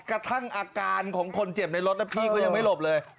กระทั่งอาการของคนเจ็บในรถนะพี่ก็ยังไม่หลบเลย